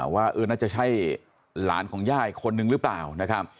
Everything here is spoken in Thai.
ว่าน่าจะใช่หลานของย่าอีกคนนึงหรือเปล่านะครับ